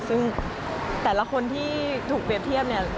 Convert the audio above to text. ซึ่งแต่ละคนที่ถูกเปรียบเทียบเนี่ย